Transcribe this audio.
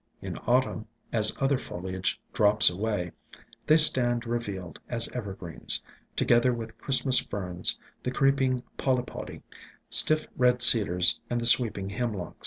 In Autumn, as other foliage drops away, they stand revealed as evergreens, together with Christ mas Ferns, the creeping Polypody, stiff Red Cedars and the sweeping Hemlocks.